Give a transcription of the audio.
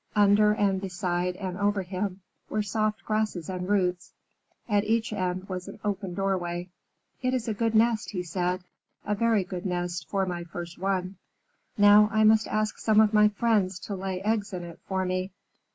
Under and beside and over him were soft grasses and roots. At each end was an open doorway. "It is a good nest," he said, "a very good nest for my first one. Now I must ask some of my friends to lay eggs in it for me."